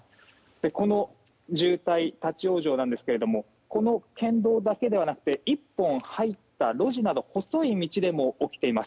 この立ち往生なんですがこの県道だけではなくて１本入った路地など細い道でも起きています。